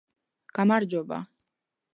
გამარჯობა